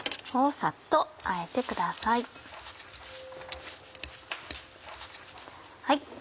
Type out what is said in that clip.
サッとあえてください。